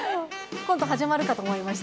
コント始まるかと思いました。